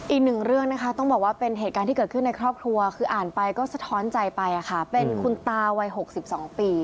อีกหนึ่งเรื่องนะคะต้องบอกว่าเป็นเหตุการณ์ที่เกิดขึ้นในครอบครัวคืออ่านไปก็สะท้อนใจไปค่ะเป็นคุณตาวัย๖๒ปี